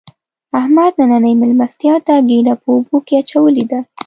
احمد نننۍ مېلمستیا ته ګېډه په اوبو کې اچولې ده.